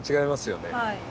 はい。